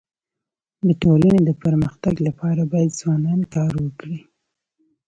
د ټولني د پرمختګ لپاره باید ځوانان کار وکړي.